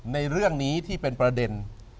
ในเรื่องนี้ที่เป็นประเด็น